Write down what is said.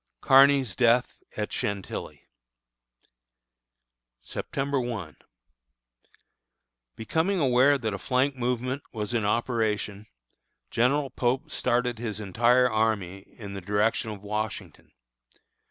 KEARNY'S DEATH AT CHANTILLY. September 1. Becoming aware that a flank movement was in operation, General Pope started his entire army in the direction of Washington.